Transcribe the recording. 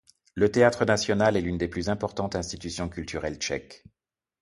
Le Théâtre national est l'une des plus importantes institutions culturelles tchèques.